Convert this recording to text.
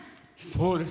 そうです。